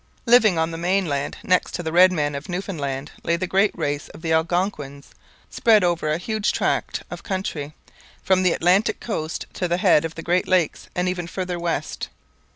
Living on the mainland, next to the red men of Newfoundland lay the great race of the Algonquins, spread over a huge tract of country, from the Atlantic coast to the head of the Great Lakes, and even farther west.